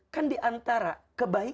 kan diantara kebaikan